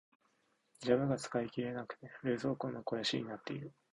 ジャムが使い切れなくて冷蔵庫の肥やしになっている。